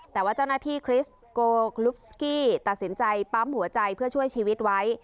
แต่ว่าเจ้าหน้าที่คริสโกรุปสกี้ตัดสินใจปั๊มหัวใจเพื่อช่วยชีวิตไว้